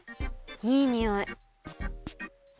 いいにおい。